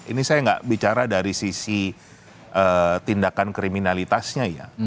ini saya nggak bicara dari sisi tindakan kriminalitasnya ya